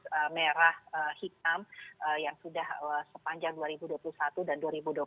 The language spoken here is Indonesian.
ada merah hitam yang sudah sepanjang dua ribu dua puluh satu dan dua ribu dua puluh